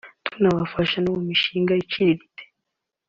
tunabafasha no mu mishinga iciriritse